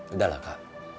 udah lah kak